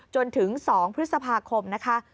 จนถึง๒พฤษภาคมนะคะ